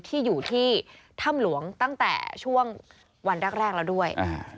ที่อยู่ที่ถ้ำหลวงตั้งแต่ช่วงวันแรกแล้วด้วย